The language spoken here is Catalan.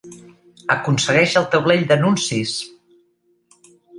Aconsegueix el taulell d'anuncis!